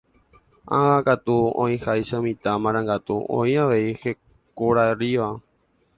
Ág̃a katu oĩháicha mitã marangatu oĩ avei hekoraríva.